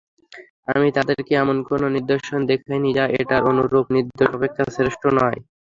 আমি তাদেরকে এমন কোন নিদর্শন দেখাইনি যা এটার অনুরূপ নিদর্শন অপেক্ষা শ্রেষ্ঠ নয়।